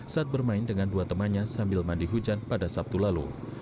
saat bermain dengan dua temannya sambil mandi hujan pada sabtu lalu